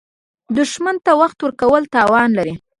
دښمن ته وخت ورکول تاوان لري